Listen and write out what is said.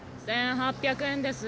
１８００円です。